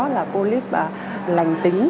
là phô líp lành tính